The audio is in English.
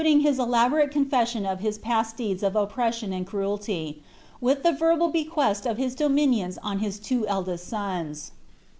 ing Ilia elaborate conression of hU pnst ileecis of oppression and cnwll}', with t)ie verbal bequest of his dominions to Iiib two elilesl son*.